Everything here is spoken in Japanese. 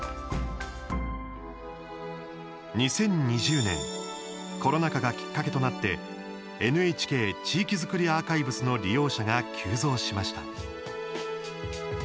２０２０年コロナ禍がきっかけとなってＮＨＫ地域づくりアーカイブスの利用者が急増しました。